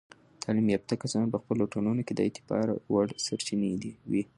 تعلیم یافته کسان په خپلو ټولنو کې د اعتبار وړ سرچینې وي.